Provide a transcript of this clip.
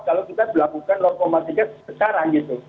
kalau kita berlakukan lokomotifnya sekarang gitu